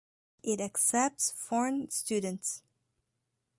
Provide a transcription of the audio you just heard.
It accepts foreign students.